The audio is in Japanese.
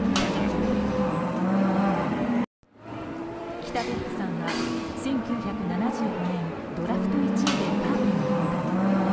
北別府さんは１９７５年ドラフト１位でカープに入団。